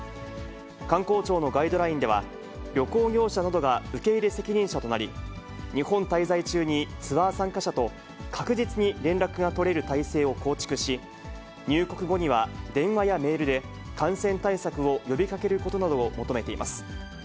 観光庁のガイドラインでは、旅行業者などが受け入れ責任者となり、日本滞在中にツアー参加者と確実に連絡が取れる体制を構築し、入国後には電話やメールで、感染対策を呼びかけることなどを求めています。